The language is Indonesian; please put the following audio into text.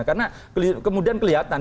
karena kemudian kelihatan